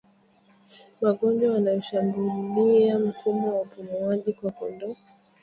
Magonjwa yanayoshambulia mfumo wa upumuaji kwa kondoo